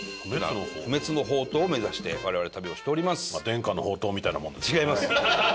不滅の法灯を目指して我々旅をしております。